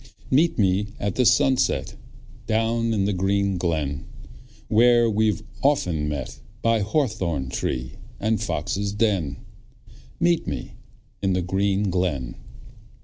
Meet me at the sunset Down in the green glen, Where we've often met By hawthorn tree and foxes' den, Meet me in the green glen.